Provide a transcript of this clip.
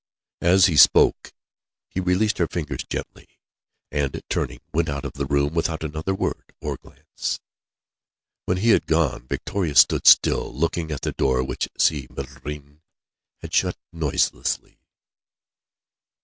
As he spoke, he released her fingers gently, and turning, went out of the room without another word or glance. When he had gone, Victoria stood still, looking at the door which Si Maïeddine had shut noiselessly.